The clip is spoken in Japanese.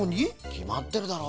きまってるだろ？